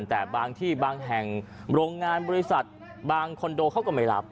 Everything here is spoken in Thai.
แต่บางที่บางแห่งโรงงานบริษัทบางคอนโดเขาก็ไม่รับ